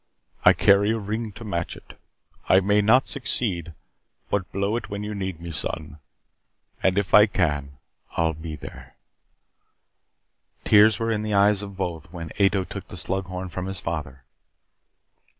I carry a ring to match it. I may not succeed. But blow it when you need me, son, and if I can I'll be there " Tears were in the eyes of both when Ato took the slug horn from his father.